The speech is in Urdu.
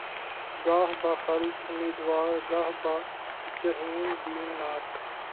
گاہ بہ خلد امیدوار‘ گہہ بہ جحیم بیم ناک